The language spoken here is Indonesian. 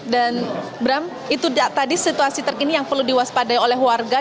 dan bram itu tadi situasi terkini yang perlu diwaspadai oleh warga